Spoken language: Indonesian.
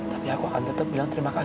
tapi aku akan tetap bilang terima kasih